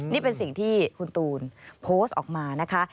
นี่เป็นสิ่งที่คุณตูนโพสต์ออกมานะคะ